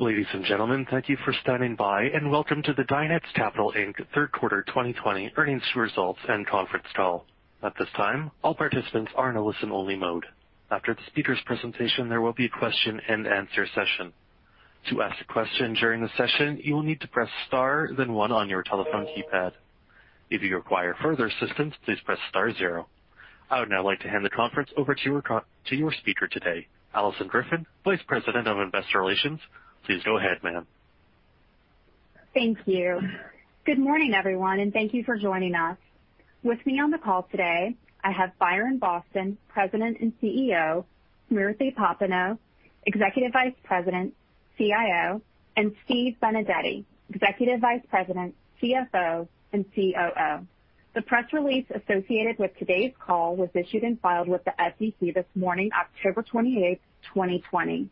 Ladies and gentlemen, thank you for standing by and welcome to the Dynex Capital Inc. Third Quarter 2020 Earnings Results and Conference Call. At this time, all participants are in a listen-only mode. After the speaker's presentation, there will be a question and answer session. I would now like to hand the conference over to your speaker today, Alison Griffin, Vice President, Investor Relations. Please go ahead, ma'am. Thank you. Good morning, everyone, and thank you for joining us. With me on the call today, I have Byron Boston, President and CEO; Smriti Popenoe, Executive Vice President, CIO; and Steve Benedetti, Executive Vice President, CFO, and COO. The press release associated with today's call was issued and filed with the SEC this morning, October 28th, 2020.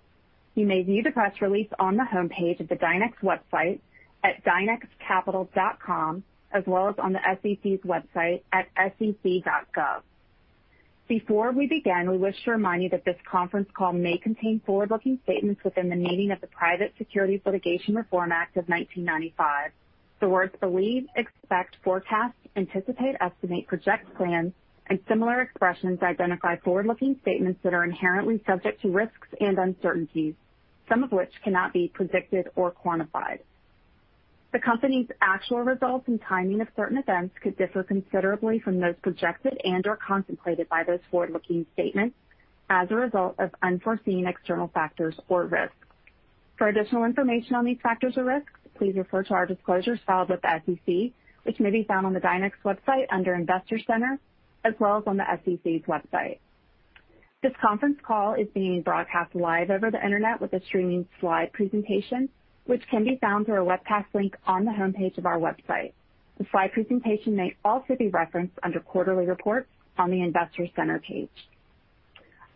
You may view the press release on the homepage of the Dynex website at dynexcapital.com, as well as on the SEC's website at sec.gov. Before we begin, we wish to remind you that this conference call may contain forward-looking statements within the meaning of the Private Securities Litigation Reform Act of 1995. The words believe, expect, forecast, anticipate, estimate, project, plan, and similar expressions identify forward-looking statements that are inherently subject to risks and uncertainties, some of which cannot be predicted or quantified. The Company's actual results and timing of certain events could differ considerably from those projected and/or contemplated by those forward-looking statements as a result of unforeseen external factors or risks. For additional information on these factors or risks, please refer to our disclosures filed with the SEC, which may be found on the Dynex website under Investor Center, as well as on the SEC's website. This conference call is being broadcast live over the internet with a streaming slide presentation, which can be found through our webcast link on the homepage of our website. The slide presentation may also be referenced under Quarterly Reports on the Investor Center page.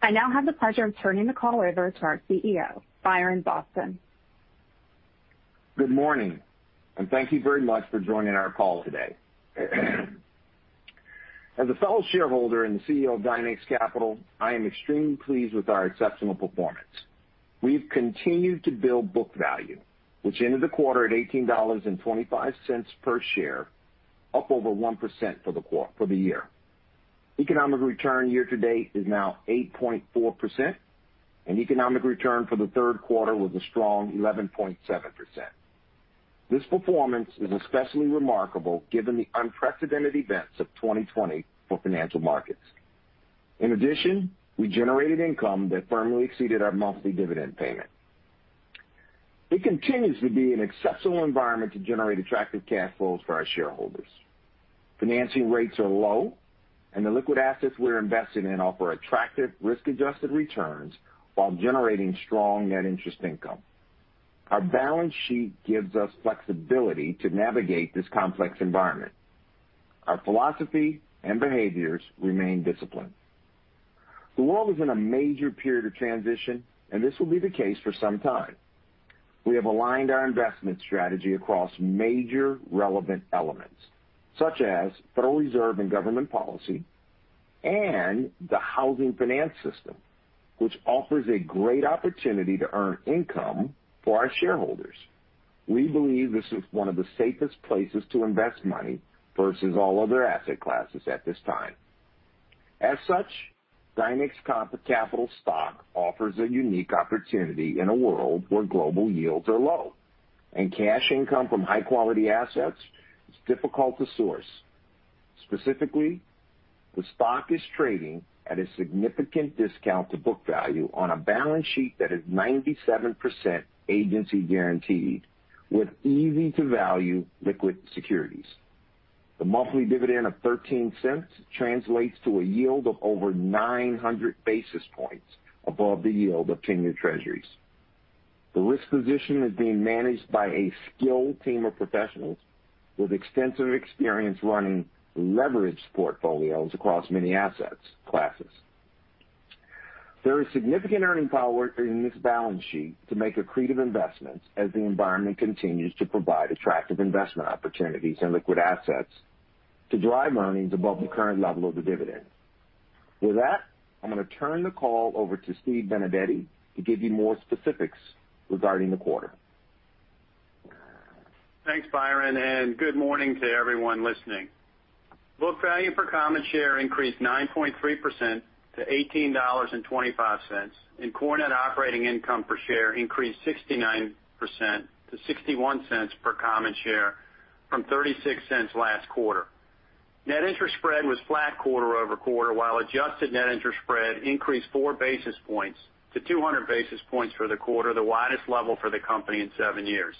I now have the pleasure of turning the call over to our CEO, Byron Boston. Good morning, and thank you very much for joining our call today. As a fellow shareholder and the CEO of Dynex Capital, I am extremely pleased with our exceptional performance. We've continued to build book value, which ended the quarter at $18.25 per share, up over 1% for the year. Economic return year to date is now 8.4%, and economic return for the third quarter was a strong 11.7%. This performance is especially remarkable given the unprecedented events of 2020 for financial markets. In addition, we generated income that firmly exceeded our monthly dividend payment. It continues to be an exceptional environment to generate attractive cash flows for our shareholders. Financing rates are low, and the liquid assets we're invested in offer attractive risk-adjusted returns while generating strong net interest income. Our balance sheet gives us flexibility to navigate this complex environment. Our philosophy and behaviors remain disciplined. The world is in a major period of transition, and this will be the case for some time. We have aligned our investment strategy across major relevant elements, such as Federal Reserve and government policy and the housing finance system, which offers a great opportunity to earn income for our shareholders. We believe this is one of the safest places to invest money versus all other asset classes at this time. As such, Dynex Capital stock offers a unique opportunity in a world where global yields are low and cash income from high-quality assets is difficult to source. Specifically, the stock is trading at a significant discount to book value on a balance sheet that is 97% agency guaranteed with easy-to-value liquid securities. The monthly dividend of $0.13 translates to a yield of over 900 basis points above the yield of 10-year Treasuries. The risk position is being managed by a skilled team of professionals with extensive experience running leveraged portfolios across many asset classes. There is significant earning power in this balance sheet to make accretive investments as the environment continues to provide attractive investment opportunities and liquid assets to drive earnings above the current level of the dividend. With that, I'm going to turn the call over to Steve Benedetti to give you more specifics regarding the quarter. Thanks, Byron, and good morning to everyone listening. Book value per common share increased 9.3% to $18.25, and core net operating income per share increased 69% to $0.61 per common share from $0.36 last quarter. Net interest spread was flat quarter-over-quarter, while adjusted net interest spread increased 4 basis points to 200 basis points for the quarter, the widest level for the company in seven years.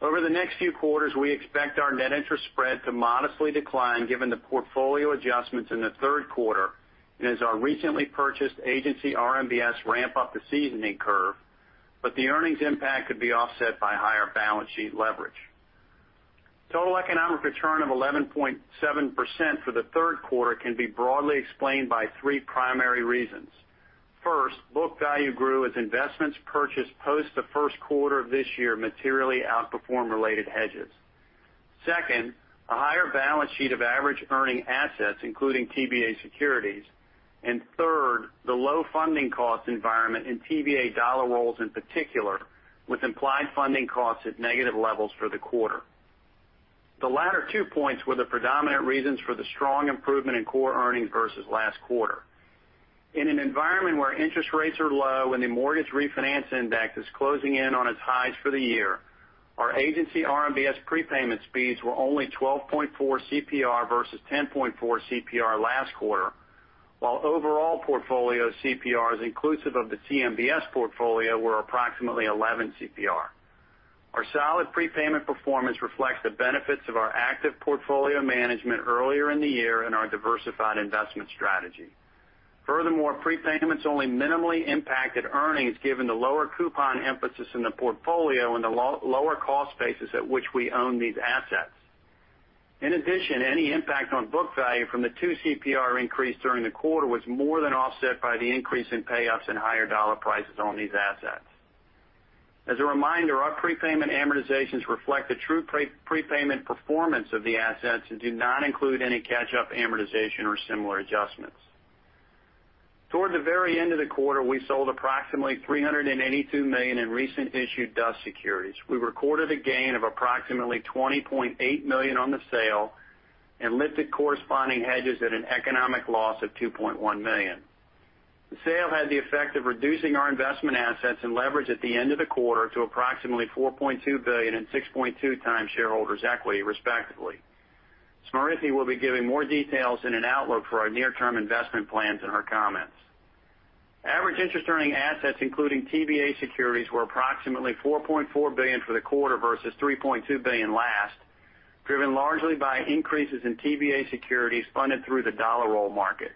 Over the next few quarters, we expect our net interest spread to modestly decline given the portfolio adjustments in the third quarter and as our recently purchased Agency RMBS ramp up the seasoning curve, but the earnings impact could be offset by higher balance sheet leverage. Total economic return of 11.7% for the third quarter can be broadly explained by three primary reasons. First, book value grew as investments purchased post the first quarter of this year materially outperformed related hedges. Second, a higher balance sheet of average earning assets, including TBA securities. Third, the low funding cost environment in TBA dollar rolls in particular, with implied funding costs at negative levels for the quarter. The latter two points were the predominant reasons for the strong improvement in core earnings versus last quarter. In an environment where interest rates are low and the mortgage refinance index is closing in on its highs for the year, our Agency RMBS prepayment speeds were only 12.4 CPR versus 10.4 CPR last quarter. While overall portfolio CPRs, inclusive of the CMBS portfolio, were approximately 11 CPR. Our solid prepayment performance reflects the benefits of our active portfolio management earlier in the year and our diversified investment strategy. Furthermore, prepayments only minimally impacted earnings given the lower coupon emphasis in the portfolio and the lower cost basis at which we own these assets. In addition, any impact on book value from the two CPR increase during the quarter was more than offset by the increase in payoffs and higher dollar prices on these assets. As a reminder, our prepayment amortizations reflect the true prepayment performance of the assets and do not include any catch-up amortization or similar adjustments. Toward the very end of the quarter, we sold approximately $382 million in recent issued DUS securities. We recorded a gain of approximately $20.8 million on the sale and lifted corresponding hedges at an economic loss of $2.1 million. The sale had the effect of reducing our investment assets and leverage at the end of the quarter to approximately $4.2 billion and 6.2x shareholders' equity, respectively. Smriti will be giving more details in an outlook for our near-term investment plans in her comments. Average interest earning assets, including TBA securities, were approximately $4.4 billion for the quarter versus $3.2 billion last, driven largely by increases in TBA securities funded through the dollar roll market.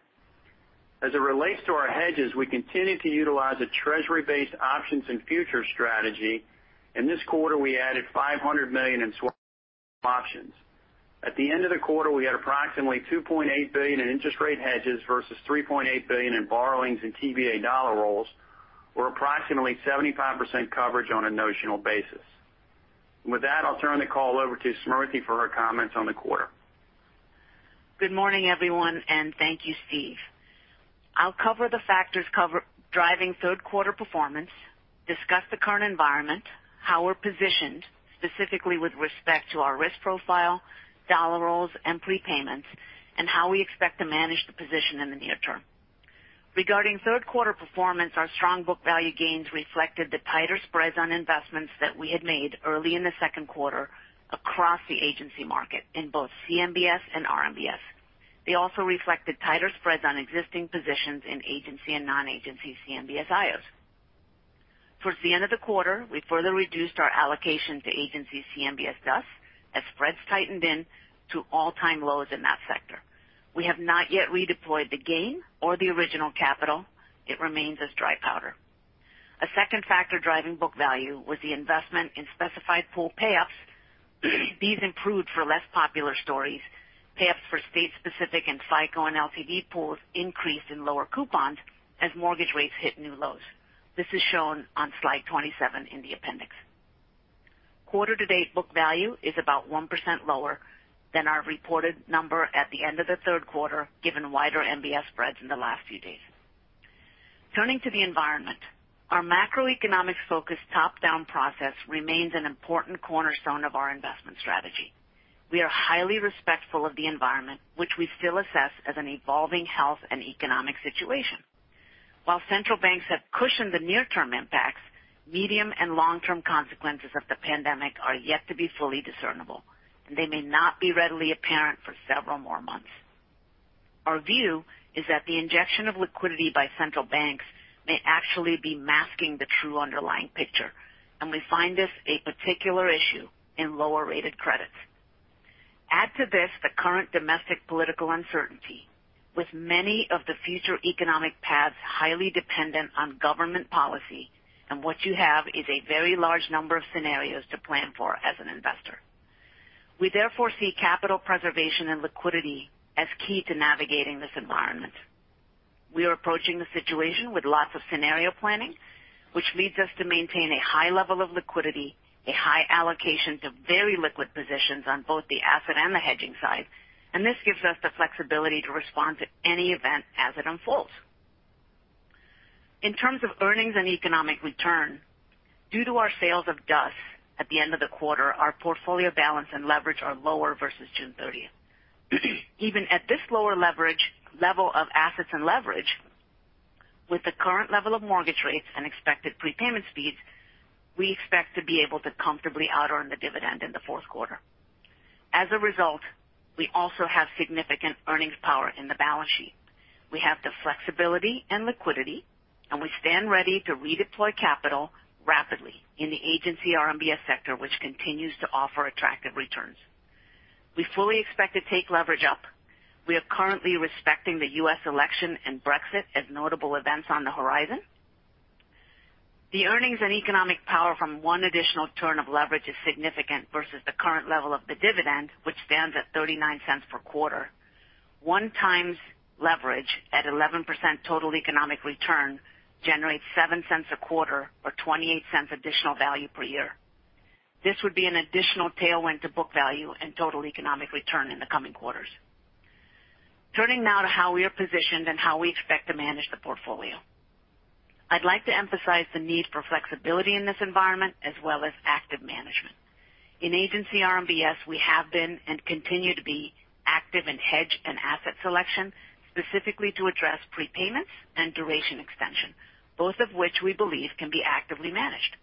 As it relates to our hedges, we continue to utilize a Treasury-based options and futures strategy. In this quarter, we added $500 million in swap options. At the end of the quarter, we had approximately $2.8 billion in interest rate hedges versus $3.8 billion in borrowings in TBA dollar rolls or approximately 75% coverage on a notional basis. With that, I'll turn the call over to Smriti for her comments on the quarter. Good morning, everyone, and thank you, Steve. I'll cover the factors driving third quarter performance, discuss the current environment, how we're positioned, specifically with respect to our risk profile, dollar rolls, and prepayments, and how we expect to manage the position in the near term. Regarding third quarter performance, our strong book value gains reflected the tighter spreads on investments that we had made early in the second quarter across the agency market in both CMBS and RMBS. They also reflected tighter spreads on existing positions in agency and non-agency CMBS IOs. Towards the end of the quarter, we further reduced our allocation to agency CMBS DUS as spreads tightened in to all-time lows in that sector. We have not yet redeployed the gain or the original capital. It remains as dry powder. A second factor driving book value was the investment in specified pool payoffs. These improved for less popular stories. Payoffs for state-specific and FICO and LTV pools increased in lower coupons as mortgage rates hit new lows. This is shown on slide 27 in the appendix. Quarter to date book value is about 1% lower than our reported number at the end of the third quarter, given wider MBS spreads in the last few days. Turning to the environment, our macroeconomic focused top-down process remains an important cornerstone of our investment strategy. We are highly respectful of the environment, which we still assess as an evolving health and economic situation. While central banks have cushioned the near-term impacts, medium and long-term consequences of the pandemic are yet to be fully discernible, and they may not be readily apparent for several more months. Our view is that the injection of liquidity by central banks may actually be masking the true underlying picture, and we find this a particular issue in lower-rated credits. Add to this the current domestic political uncertainty. With many of the future economic paths highly dependent on government policy, and what you have is a very large number of scenarios to plan for as an investor. We therefore see capital preservation and liquidity as key to navigating this environment. We are approaching the situation with lots of scenario planning, which leads us to maintain a high level of liquidity, a high allocation to very liquid positions on both the asset and the hedging side, and this gives us the flexibility to respond to any event as it unfolds. In terms of earnings and economic return, due to our sales of DUS at the end of the quarter, our portfolio balance and leverage are lower versus June 30th. Even at this lower level of assets and leverage, with the current level of mortgage rates and expected prepayment speeds, we expect to be able to comfortably out earn the dividend in the fourth quarter. As a result, we also have significant earnings power in the balance sheet. We have the flexibility and liquidity, and we stand ready to redeploy capital rapidly in the Agency RMBS sector, which continues to offer attractive returns. We fully expect to take leverage up. We are currently respecting the U.S. election and Brexit as notable events on the horizon. The earnings and economic power from one additional turn of leverage is significant versus the current level of the dividend, which stands at $0.39 per quarter. One times leverage at 11% total economic return generates $0.07 a quarter or $0.28 additional value per year. This would be an additional tailwind to book value and total economic return in the coming quarters. Turning now to how we are positioned and how we expect to manage the portfolio. I'd like to emphasize the need for flexibility in this environment as well as active management. In agency RMBS, we have been and continue to be active in hedge and asset selection specifically to address prepayments and duration extension, both of which we believe can be actively managed.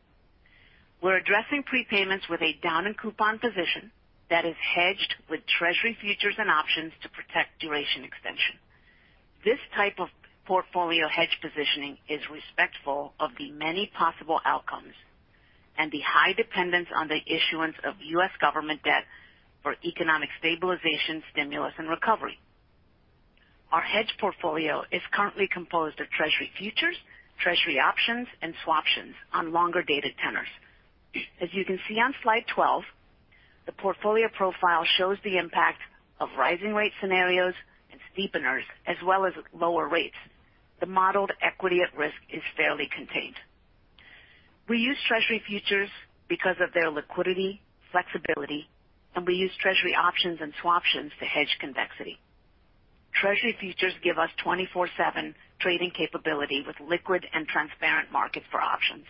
We're addressing prepayments with a down-in-coupon position that is hedged with Treasury futures and options to protect duration extension. This type of portfolio hedge positioning is respectful of the many possible outcomes and the high dependence on the issuance of U.S. government debt for economic stabilization, stimulus, and recovery. Our hedge portfolio is currently composed of Treasury futures, Treasury options, and swaptions on longer-dated tenors. As you can see on slide 12, the portfolio profile shows the impact of rising rate scenarios and steepeners as well as lower rates. The modeled equity at risk is fairly contained. We use Treasury futures because of their liquidity, flexibility, and we use Treasury options and swaptions to hedge convexity. Treasury futures give us 24/7 trading capability with liquid and transparent market for options.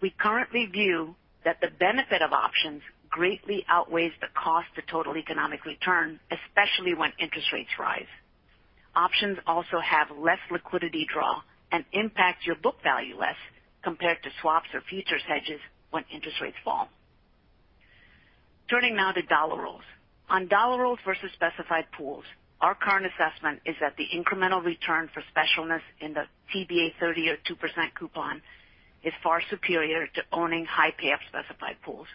We currently view that the benefit of options greatly outweighs the cost to total economic return, especially when interest rates rise. Options also have less liquidity draw and impact your book value less compared to swaps or futures hedges when interest rates fall. Turning now to dollar rolls. On dollar rolls versus specified pools, our current assessment is that the incremental return for specialness in the TBA 30-year 2% coupon is far superior to owning high pay-up specified pools.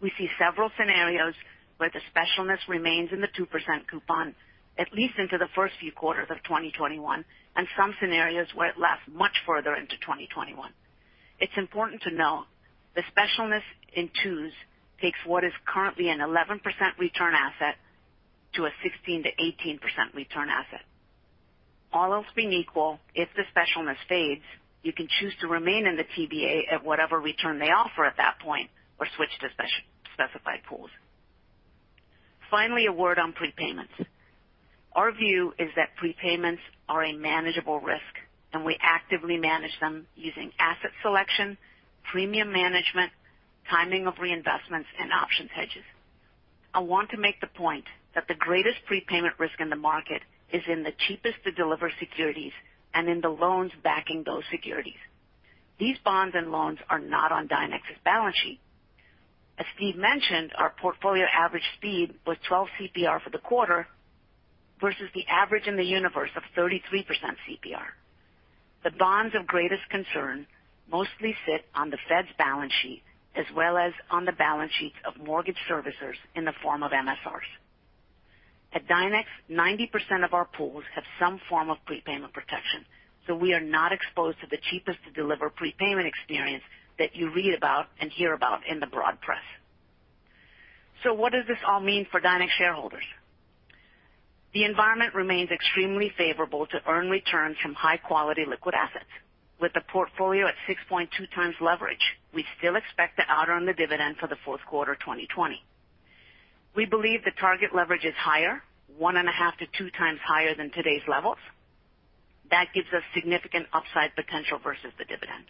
We see several scenarios where the specialness remains in the 2% coupon, at least into the first few quarters of 2021, and some scenarios where it lasts much further into 2021. It's important to note the specialness in 2s takes what is currently an 11% return asset to a 16%-18% return asset. All else being equal, if the specialness fades, you can choose to remain in the TBA at whatever return they offer at that point or switch to specified pools. Finally, a word on prepayments. Our view is that prepayments are a manageable risk, and we actively manage them using asset selection, premium management, timing of reinvestments, and options hedges. I want to make the point that the greatest prepayment risk in the market is in the cheapest-to-deliver securities and in the loans backing those securities. These bonds and loans are not on Dynex's balance sheet. As Steve mentioned, our portfolio average speed was 12 CPR for the quarter versus the average in the universe of 33% CPR. The bonds of greatest concern mostly sit on the Fed's balance sheet as well as on the balance sheets of mortgage servicers in the form of MSRs. At Dynex, 90% of our pools have some form of prepayment protection, so we are not exposed to the cheapest-to-deliver prepayment experience that you read about and hear about in the broad press. What does this all mean for Dynex shareholders? The environment remains extremely favorable to earn returns from high-quality liquid assets. With the portfolio at 6.2x leverage, we still expect to out earn the dividend for the fourth quarter 2020. We believe the target leverage is higher, 1.5x-2x higher than today's levels. That gives us significant upside potential versus the dividend.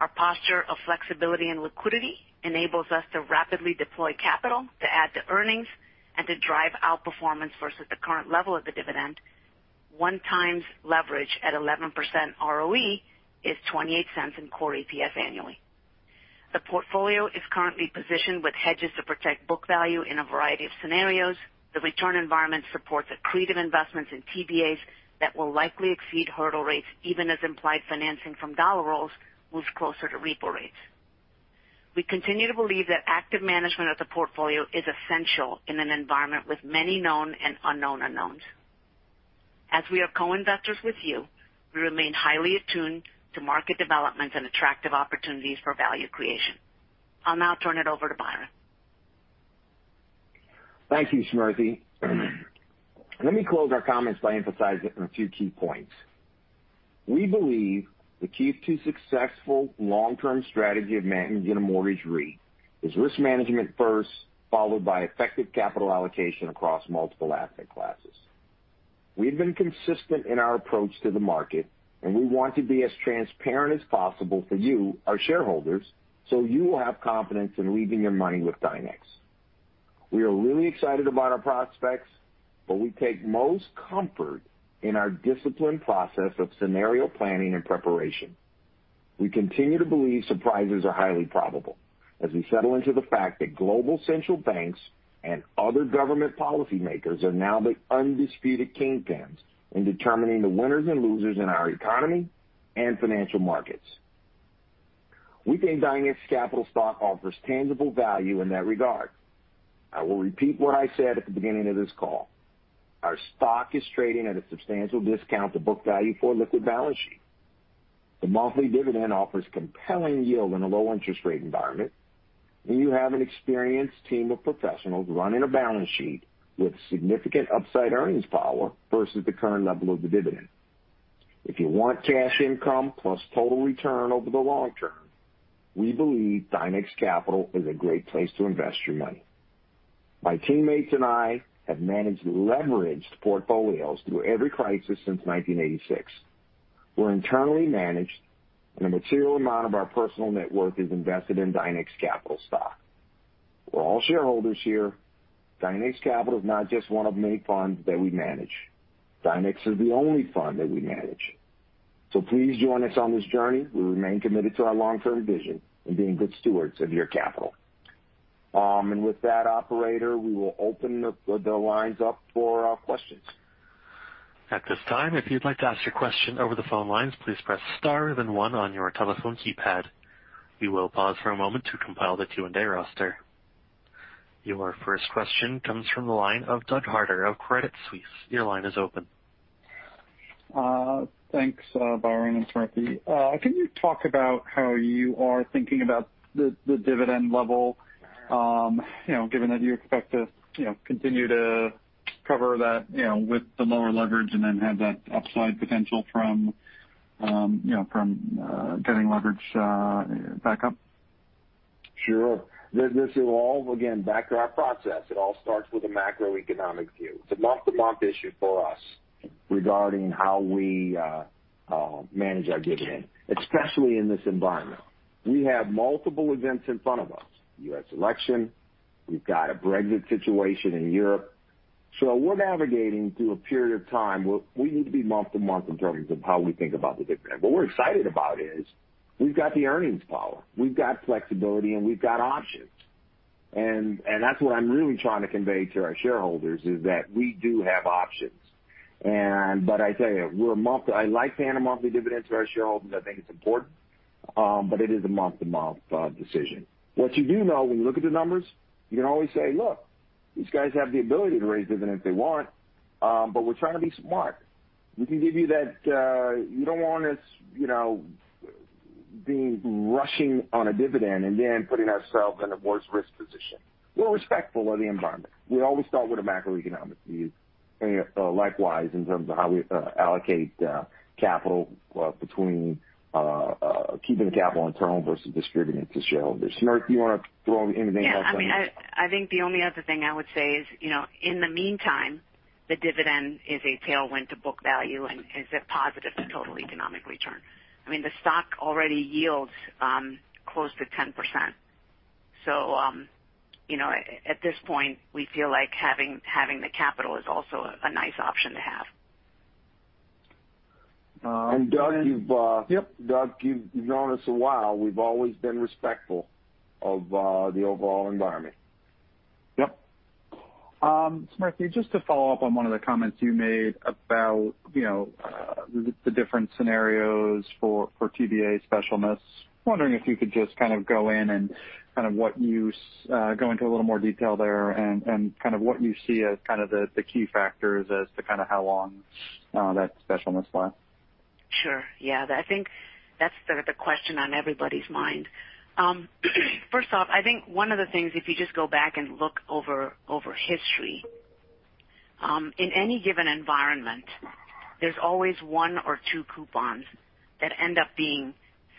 Our posture of flexibility and liquidity enables us to rapidly deploy capital to add to earnings and to drive outperformance versus the current level of the dividend. One times leverage at 11% ROE is $0.28 in core EPS annually. The portfolio is currently positioned with hedges to protect book value in a variety of scenarios. The return environment supports accretive investments in TBAs that will likely exceed hurdle rates even as implied financing from dollar rolls moves closer to repo rates. We continue to believe that active management of the portfolio is essential in an environment with many known and unknown unknowns. As we are co-investors with you, we remain highly attuned to market developments and attractive opportunities for value creation. I'll now turn it over to Byron. Thank you, Smriti. Let me close our comments by emphasizing a few key points. We believe the key to successful long-term strategy of managing a mortgage REIT is risk management first, followed by effective capital allocation across multiple asset classes. We've been consistent in our approach to the market, and we want to be as transparent as possible for you, our shareholders, so you will have confidence in leaving your money with Dynex. We are really excited about our prospects, but we take most comfort in our disciplined process of scenario planning and preparation. We continue to believe surprises are highly probable as we settle into the fact that global central banks and other government policymakers are now the undisputed kingpins in determining the winners and losers in our economy and financial markets. We think Dynex Capital stock offers tangible value in that regard. I will repeat what I said at the beginning of this call. Our stock is trading at a substantial discount to book value for a liquid balance sheet. The monthly dividend offers compelling yield in a low interest rate environment, and you have an experienced team of professionals running a balance sheet with significant upside earnings power versus the current level of the dividend. If you want cash income plus total return over the long term, we believe Dynex Capital is a great place to invest your money. My teammates and I have managed leveraged portfolios through every crisis since 1986. We're internally managed, and a material amount of our personal net worth is invested in Dynex Capital stock. We're all shareholders here. Dynex Capital is not just one of many funds that we manage. Dynex is the only fund that we manage. Please join us on this journey. We remain committed to our long-term vision and being good stewards of your capital. With that operator, we will open the lines up for questions. At this time, if you'd like to ask your question over the phone lines, please press star, then one on your telephone keypad. We will pause for a moment to compile the Q&A roster. Your first question comes from the line of Doug Harter of Credit Suisse. Your line is open. Thanks, Byron and Smriti. Can you talk about how you are thinking about the dividend level, given that you expect to continue to cover that with the lower leverage and then have that upside potential from getting leverage back up? Sure. This is all, again, back to our process. It all starts with a macroeconomic view. It's a month-to-month issue for us regarding how we manage our dividend, especially in this environment. We have multiple events in front of us. U.S. election. We've got a Brexit situation in Europe. We're navigating through a period of time where we need to be month-to-month in terms of how we think about the dividend. What we're excited about is we've got the earnings power. We've got flexibility, and we've got options. That's what I'm really trying to convey to our shareholders, is that we do have options. I tell you, I like paying a monthly dividend to our shareholders. I think it's important. It is a month-to-month decision. What you do know when you look at the numbers, you can always say, look, these guys have the ability to raise dividends if they want. We're trying to be smart. You don't want us rushing on a dividend and then putting ourselves in a worse risk position. We're respectful of the environment. We always start with a macroeconomic view. Likewise, in terms of how we allocate capital between keeping capital internal versus distributing it to shareholders. Smriti, you want to throw anything else on this? Yeah. I think the only other thing I would say is, in the meantime, the dividend is a tailwind to book value and is a positive to total economic return. The stock already yields close to 10%. At this point, we feel like having the capital is also a nice option to have. And Doug. Yep. Doug, you've known us a while. We've always been respectful of the overall environment. Yep. Smriti, just to follow up on one of the comments you made about the different scenarios for TBA specialness, wondering if you could just kind of go in and kind of go into a little more detail there and kind of what you see as kind of the key factors as to kind of how long that specialness lasts? Sure. Yeah. I think that's sort of the question on everybody's mind. First off, I think one of the things, if you just go back and look over history. In any given environment, there's always one or two coupons that end up being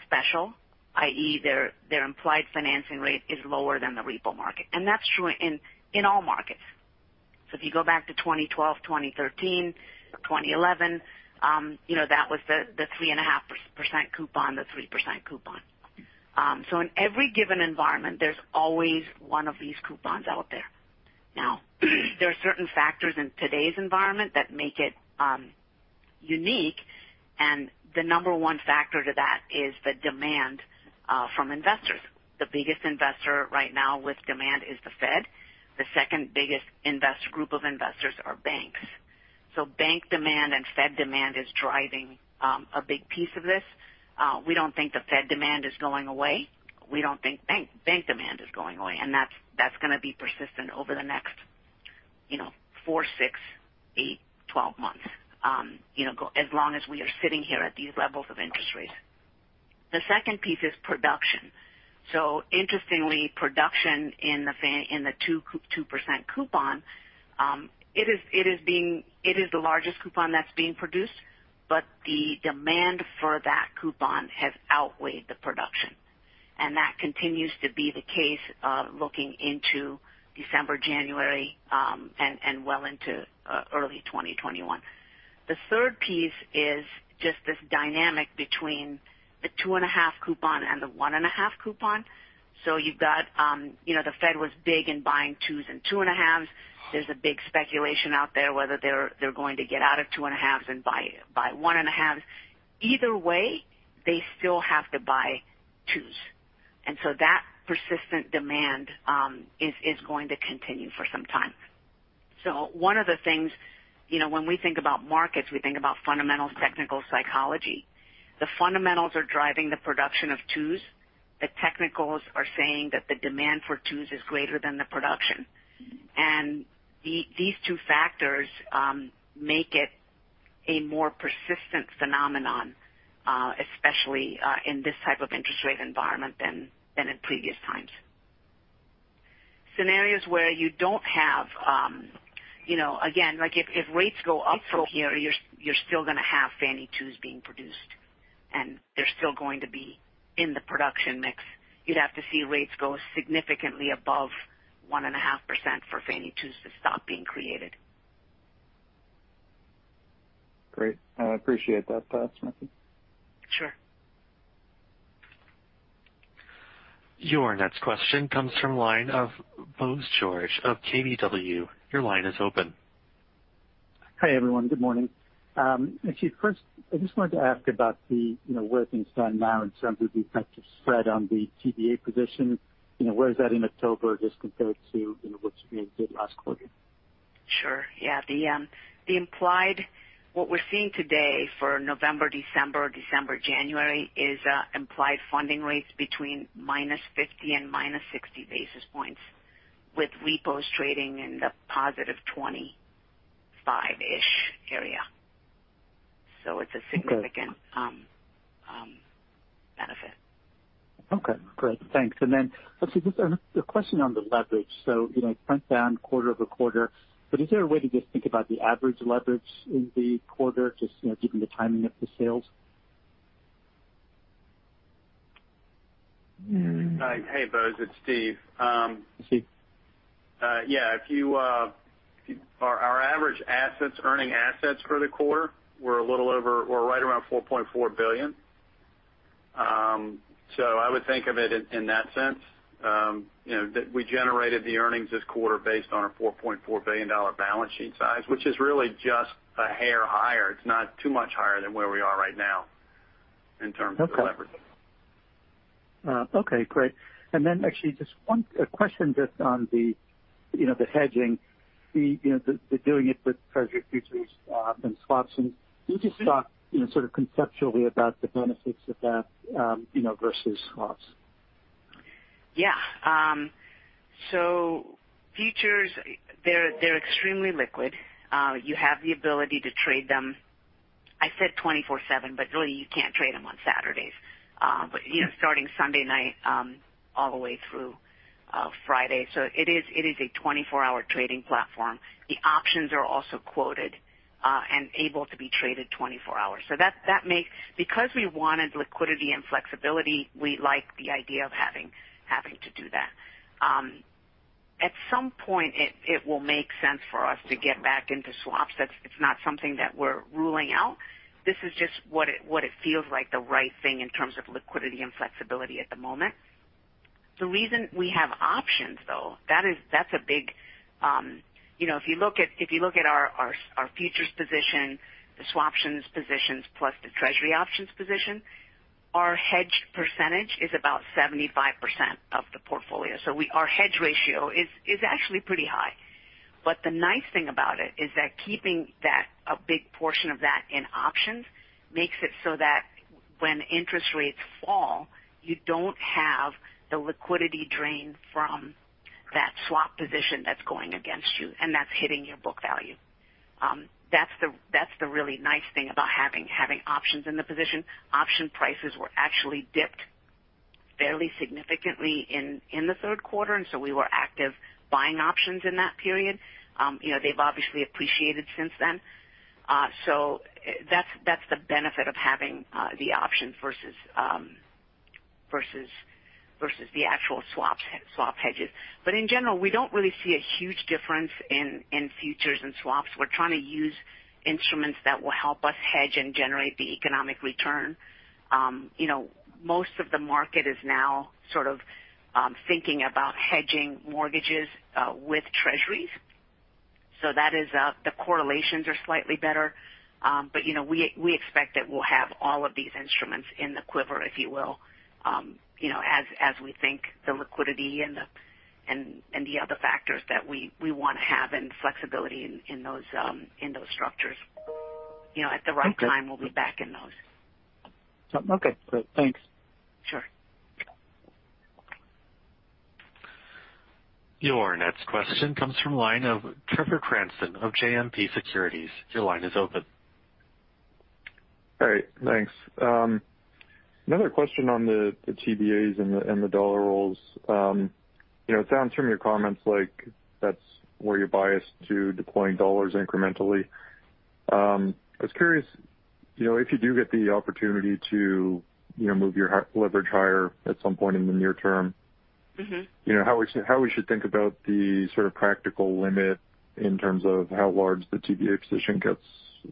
special, i.e., their implied financing rate is lower than the repo market. That's true in all markets. If you go back to 2012, 2013, 2011, that was the 3.5% coupon, the 3% coupon. In every given environment, there's always one of these coupons out there. Now, there are certain factors in today's environment that make it unique, and the number one factor to that is the demand from investors. The biggest investor right now with demand is the Fed. The second biggest group of investors are banks. Bank demand and Fed demand is driving a big piece of this. We don't think the Fed demand is going away. We don't think bank demand is going away. That's going to be persistent over the next four, six, eight, 12 months as long as we are sitting here at these levels of interest rates. The second piece is production. Interestingly, production in the 2% coupon, it is the largest coupon that's being produced, but the demand for that coupon has outweighed the production. That continues to be the case looking into December, January, and well into early 2021. The third piece is just this dynamic between the 2.5 coupon and the 1.5 coupon. You've got the Fed was big in buying 2s and 2.5s. There's a big speculation out there whether they're going to get out of 2.5s and buy 1.5s. Either way, they still have to buy 2s. That persistent demand is going to continue for some time. One of the things when we think about markets, we think about fundamental technical psychology. The fundamentals are driving the production of 2s The technicals are saying that the demand for 2s is greater than the production. These two factors make it a more persistent phenomenon, especially in this type of interest rate environment than in previous times. Scenarios where you don't have again, if rates go up from here, you're still going to have Fannie 2s being produced, and they're still going to be in the production mix. You'd have to see rates go significantly above 1.5% for Fannie 2s to stop being created. Great. I appreciate that, Smriti. Sure. Your next question comes from the line of Bose George of KBW. Your line is open. Hi, everyone. Good morning. Actually, first, I just wanted to ask about the work being done now in terms of the effective spread on the TBA position. Where is that in October just compared to what you did last quarter? Sure. Yeah. What we're seeing today for November, December, January is implied funding rates between -50 and -60 basis points, with repos trading in the positive 25-ish area. It's a significant benefit. Okay, great. Thanks. Let's see. Just a question on the leverage. It went down quarter-over-quarter. Is there a way to just think about the average leverage in the quarter, just given the timing of the sales? Hey, Bose, it's Steve. Hi, Steve. Yeah. Our average earning assets for the quarter were right around $4.4 billion. I would think of it in that sense, that we generated the earnings this quarter based on a $4.4 billion balance sheet size, which is really just a hair higher. It's not too much higher than where we are right now in terms of leverage. Okay, great. Actually just one question just on the hedging, the doing it with Treasury futures and swaptions. Can you just talk conceptually about the benefits of that versus swaps? Yeah. Futures, they're extremely liquid. You have the ability to trade them, I said 24/7, but really you can't trade them on Saturdays. Starting Sunday night all the way through Friday. It is a 24-hour trading platform. The options are also quoted and able to be traded 24 hours. We wanted liquidity and flexibility, we like the idea of having to do that. At some point, it will make sense for us to get back into swaps. It's not something that we're ruling out. This is just what it feels like the right thing in terms of liquidity and flexibility at the moment. The reason we have options, though, if you look at our futures position, the swaptions positions plus the Treasury options position, our hedge percentage is about 75% of the portfolio. Our hedge ratio is actually pretty high. The nice thing about it is that keeping a big portion of that in options makes it so that when interest rates fall, you don't have the liquidity drain from that swap position that's going against you and that's hitting your book value. That's the really nice thing about having options in the position. Option prices were actually dipped fairly significantly in the third quarter, we were active buying options in that period. They've obviously appreciated since then. That's the benefit of having the option versus the actual swap hedges. In general, we don't really see a huge difference in futures and swaps. We're trying to use instruments that will help us hedge and generate the economic return. Most of the market is now sort of thinking about hedging mortgages with Treasuries. The correlations are slightly better. We expect that we'll have all of these instruments in the quiver, if you will, as we think the liquidity and the other factors that we want to have and flexibility in those structures. At the right time, we'll be back in those. Okay, great. Thanks. Sure. Your next question comes from the line of Trevor Cranston of JMP Securities. Your line is open. All right. Thanks. Another question on the TBAs and the dollar rolls. It sounds from your comments like that's where you're biased to deploying dollars incrementally. I was curious, if you do get the opportunity to move your leverage higher at some point in the near term. How we should think about the sort of practical limit in terms of how large the TBA position gets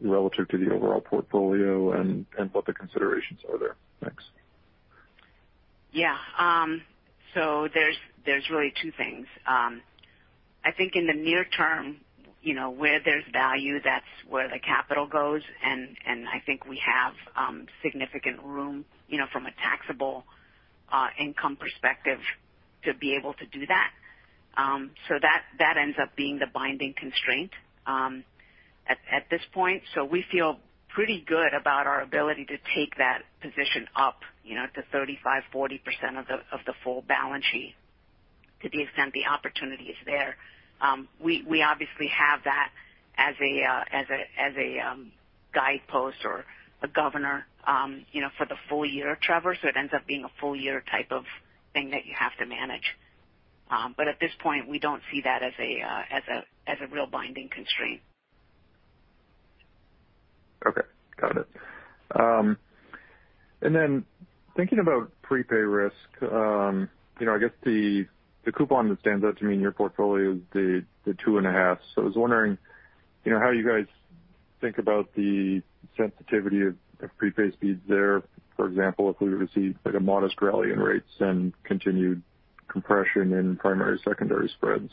relative to the overall portfolio and what the considerations are there? Thanks. Yeah. There's really two things. I think in the near term, where there's value, that's where the capital goes, and I think we have significant room from a taxable income perspective to be able to do that. That ends up being the binding constraint at this point. We feel pretty good about our ability to take that position up to 35%, 40% of the full balance sheet to the extent the opportunity is there. We obviously have that as a guidepost or a governor for the full year, Trevor. It ends up being a full year type of thing that you have to manage. At this point, we don't see that as a real binding constraint. Okay. Got it. Thinking about prepay risk. I guess the coupon that stands out to me in your portfolio is the 2.5%. I was wondering how you guys think about the sensitivity of prepay speeds there. For example, if we were to see a modest rally in rates and continued compression in primary, secondary spreads.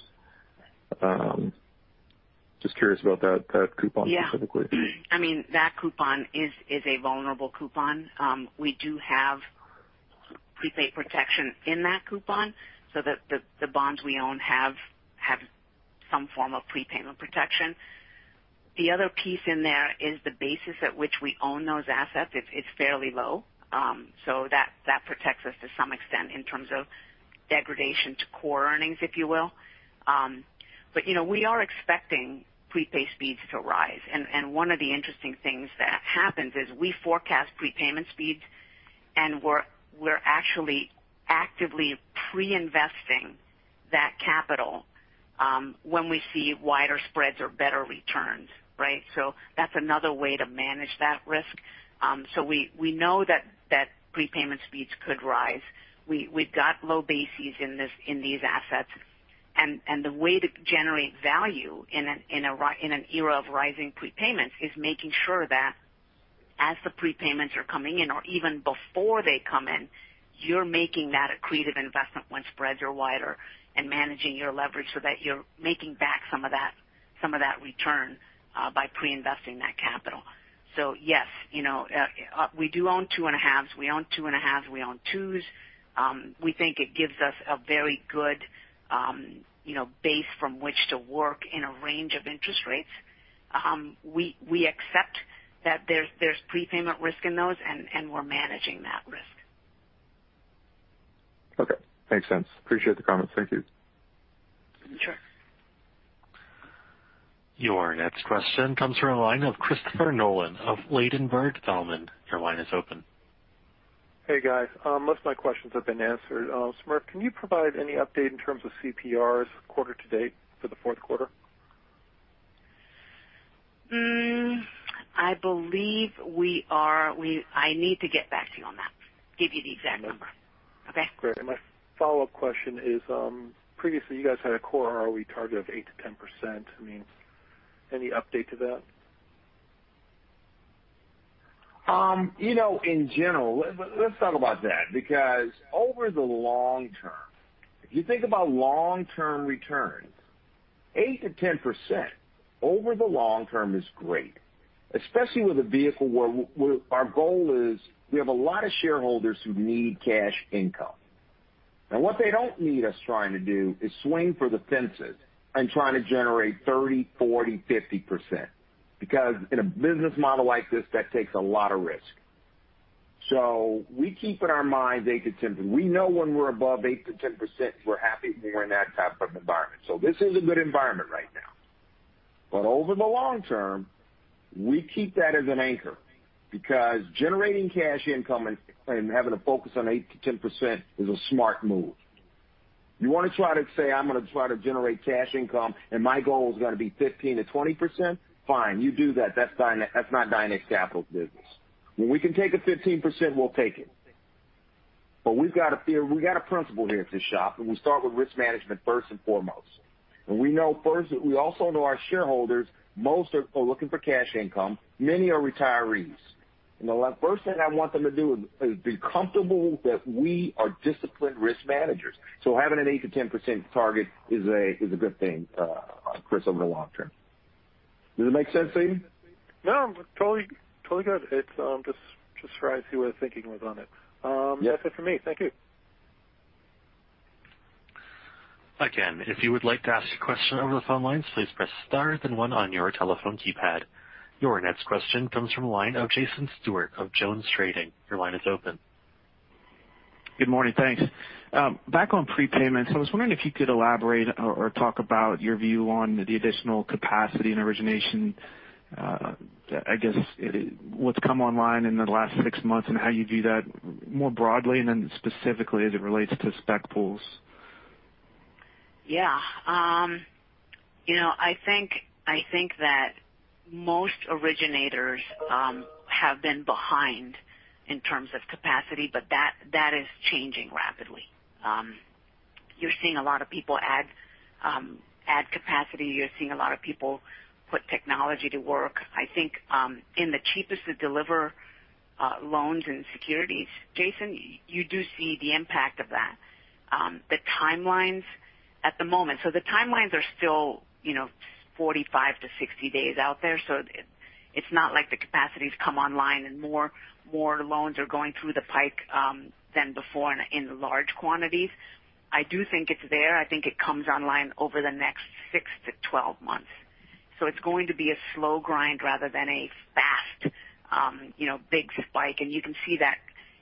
Just curious about that coupon specifically. Yeah. That coupon is a vulnerable coupon. We do have prepay protection in that coupon so that the bonds we own have some form of prepayment protection. The other piece in there is the basis at which we own those assets. It's fairly low. That protects us to some extent in terms of degradation to core earnings, if you will. We are expecting prepay speeds to rise. One of the interesting things that happens is we forecast prepayment speeds, and we're actually actively pre-investing that capital when we see wider spreads or better returns. Right? That's another way to manage that risk. We know that prepayment speeds could rise. We've got low bases in these assets. The way to generate value in an era of rising prepayments is making sure that as the prepayments are coming in, or even before they come in, you're making that accretive investment when spreads are wider and managing your leverage so that you're making back some of that return by pre-investing that capital. Yes, we do own 2.5s We own 2.5s. We own 2s. We think it gives us a very good base from which to work in a range of interest rates. We accept that there's prepayment risk in those, and we're managing that risk. Okay. Makes sense. Appreciate the comments. Thank you. Sure. Your next question comes from the line of Christopher Nolan of Ladenburg Thalmann. Your line is open. Hey, guys. Most of my questions have been answered. Smriti, can you provide any update in terms of CPRs quarter to date for the fourth quarter? I believe I need to get back to you on that, give you the exact number. Okay? Great. My follow-up question is: previously, you guys had a core ROE target of 8%-10%. Any update to that? In general, let's talk about that because over the long term, if you think about long-term returns, 8%-10% over the long term is great. Especially with a vehicle where our goal is we have a lot of shareholders who need cash income. Now, what they don't need us trying to do is swing for the fences and trying to generate 30%, 40%, 50%, because in a business model like this, that takes a lot of risk. We keep in our minds 8%-10%. We know when we're above 8%-10%, we're happy when we're in that type of environment. This is a good environment right now. Over the long term, we keep that as an anchor because generating cash income and having a focus on 8%-10% is a smart move. You want to try to say, "I'm going to try to generate cash income and my goal is going to be 15%-20%," fine, you do that. That's not Dynex Capital's business. When we can take a 15%, we'll take it. We got a principle here at this shop, and we start with risk management first and foremost. We also know our shareholders, most are looking for cash income. Many are retirees. The first thing I want them to do is be comfortable that we are disciplined risk managers. Having an 8%-10% target is a good thing, Chris, over the long term. Does it make sense to you? No, totally good. It's just curious your way of thinking was on it. Yeah. That's it for me. Thank you. Again, if you would like to ask a question over the phone lines, please press star then one on your telephone keypad. Your next question comes from the line of Jason Stewart of Jones Trading. Your line is open. Good morning. Thanks. Back on prepayments, I was wondering if you could elaborate or talk about your view on the additional capacity and origination. I guess what's come online in the last six months and how you view that more broadly and then specifically as it relates to spec pools. Yeah. I think that most originators have been behind in terms of capacity, but that is changing rapidly. You're seeing a lot of people add capacity. You're seeing a lot of people put technology to work. I think in the cheapest to deliver loans and securities, Jason, you do see the impact of that. The timelines at the moment. The timelines are still 45-60 days out there. It's not like the capacity's come online and more loans are going through the pike than before and in large quantities. I do think it's there. I think it comes online over the next 6-12 months. It's going to be a slow grind rather than a fast, big spike. You can see that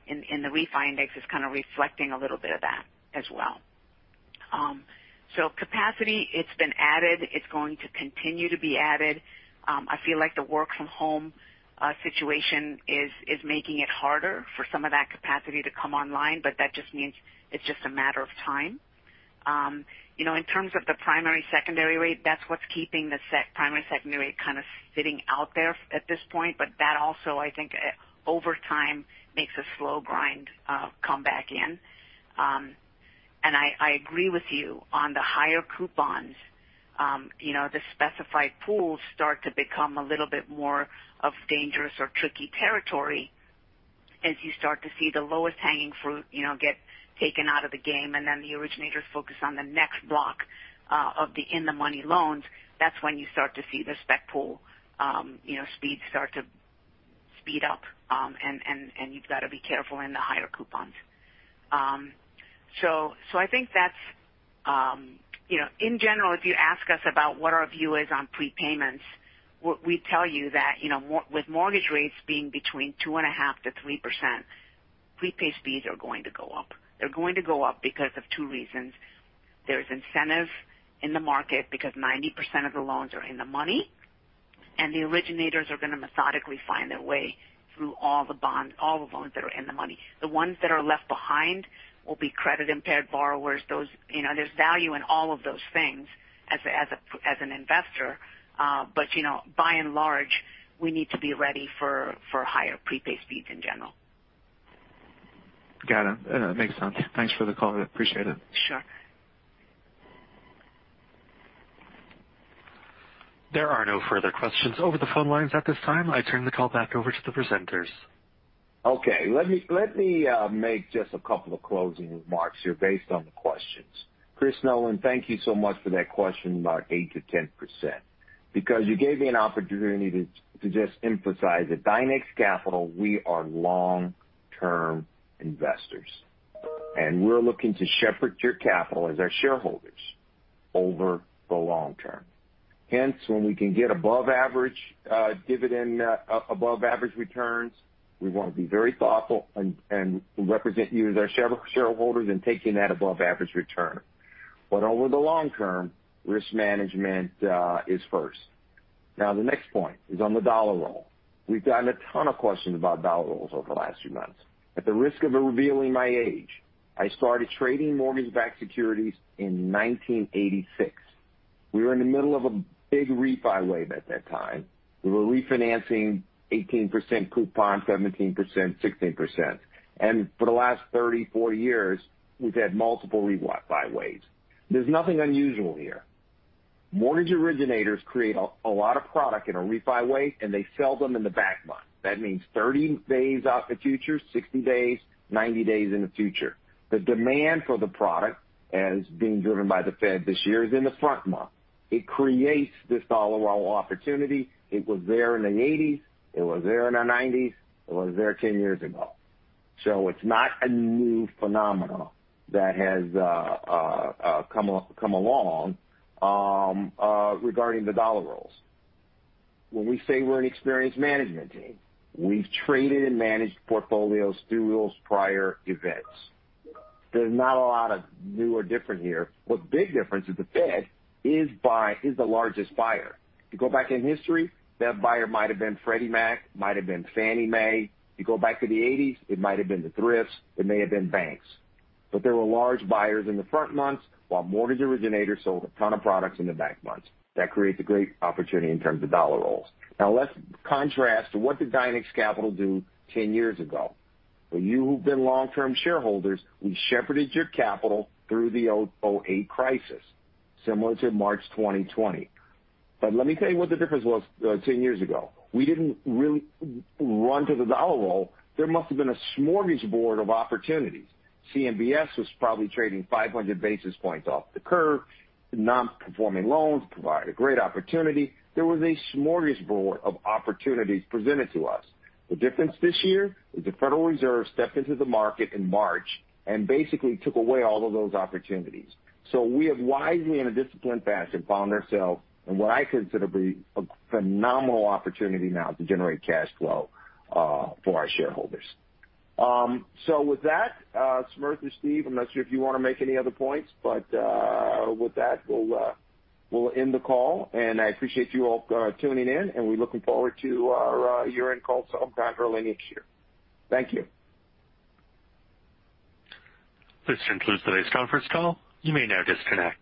in the refi index is kind of reflecting a little bit of that as well. Capacity, it's been added. It's going to continue to be added. I feel like the work-from-home situation is making it harder for some of that capacity to come online, but that just means it's just a matter of time. In terms of the primary, secondary rate, that's what's keeping the primary, secondary rate kind of sitting out there at this point. That also, I think, over time, makes a slow grind come back in. I agree with you on the higher coupons. The specified pools start to become a little bit more of dangerous or tricky territory as you start to see the lowest hanging fruit get taken out of the game and then the originators focus on the next block of the in-the-money loans. That's when you start to see the spec pool speeds start to speed up, and you've got to be careful in the higher coupons. In general, if you ask us about what our view is on prepayments, we tell you that with mortgage rates being between 2.5%-3%, prepay speeds are going to go up. They're going to go up because of two reasons. There's incentive in the market because 90% of the loans are in the money, and the originators are going to methodically find their way through all the bonds, all the loans that are in the money. The ones that are left behind will be credit-impaired borrowers. There's value in all of those things as an investor. By and large, we need to be ready for higher prepay speeds in general. Got it. Makes sense. Thanks for the call. Appreciate it. Sure. There are no further questions over the phone lines at this time. I turn the call back over to the presenters. Okay. Let me make just a couple of closing remarks here based on the questions. Chris Nolan, thank you so much for that question about 8%-10%, because you gave me an opportunity to just emphasize at Dynex Capital, we are long-term investors. We're looking to shepherd your capital as our shareholders over the long term. Hence, when we can get above average dividend, above average returns, we want to be very thoughtful and represent you as our shareholders in taking that above average return. Over the long term, risk management is first. Now, the next point is on the dollar roll. We've gotten a ton of questions about dollar rolls over the last few months. At the risk of revealing my age, I started trading mortgage-backed securities in 1986. We were in the middle of a big refi wave at that time. We were refinancing 18% coupon, 17%, 16%. For the last 30, 40 years, we've had multiple refi waves. There's nothing unusual here. Mortgage originators create a lot of product in a refi wave, and they sell them in the back month. That means 30 days out the future, 60 days, 90 days in the future. The demand for the product, as being driven by the Fed this year, is in the front month. It creates this dollar roll opportunity. It was there in the 1980s. It was there in the 1990s. It was there 10 years ago. It's not a new phenomenon that has come along regarding the dollar rolls. When we say we're an experienced management team, we've traded and managed portfolios through those prior events. There's not a lot of new or different here. What big difference is the Fed is the largest buyer. You go back in history, that buyer might've been Freddie Mac, might've been Fannie Mae. You go back to the 1980s, it might've been the thrifts, it may have been banks. There were large buyers in the front months while mortgage originators sold a ton of products in the back months. That creates a great opportunity in terms of dollar rolls. Let's contrast what did Dynex Capital do 10 years ago. For you who've been long-term shareholders, we shepherded your capital through the 2008 crisis, similar to March 2020. Let me tell you what the difference was 10 years ago. We didn't really run to the dollar roll. There must have been a smorgasbord of opportunities. CMBS was probably trading 500 basis points off the curve. The non-performing loans provided a great opportunity. There was a smorgasbord of opportunities presented to us. The difference this year is the Federal Reserve stepped into the market in March and basically took away all of those opportunities. We have wisely, in a disciplined fashion, found ourselves in what I consider to be a phenomenal opportunity now to generate cash flow for our shareholders. With that, Smriti or Steve, I'm not sure if you want to make any other points, but with that, we'll end the call and I appreciate you all tuning in and we're looking forward to our year-end call sometime early next year. Thank you. This concludes today's conference call. You may now disconnect.